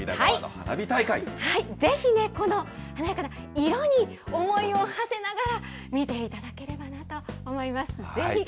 ぜひね、この色に思いをはせながら、見ていただければなと思います。